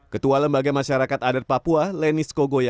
ketua lembaga masyarakat adat papua lenis kogoya